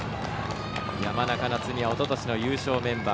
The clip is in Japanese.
山中菜摘はおととしの優勝メンバー。